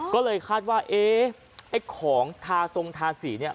ก็เลยคาดว่าเอ๊ะไอ้ของทาทรงทาสีเนี่ย